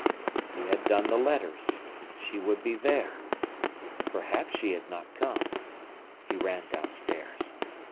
He had done the letters. She would be there. Perhaps she had not come. He ran downstairs.